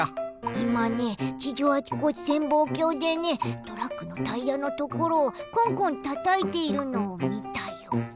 いまね地上あちこち潜望鏡でねトラックのタイヤのところをコンコンたたいているのをみたよ。